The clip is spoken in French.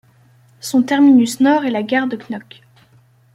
Son terminus nord est la gare de Knokke.